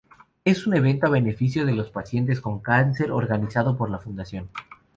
Es un evento a beneficio de los pacientes con cáncer organizado por la Fundación.